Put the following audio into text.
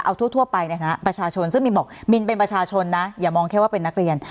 เอาทั่วไปเนี่ยนะประชาชนซึ่งมินบอกมินเป็นประชาชนนะอย่ามองแค่ว่าเป็นนักเรียน